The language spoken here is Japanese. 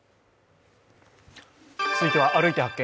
続いては、「歩いて発見！